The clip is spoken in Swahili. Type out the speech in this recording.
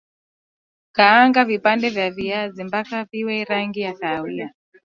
kaanga vipande vya viazi mpaka viwe na rangi ya kahawia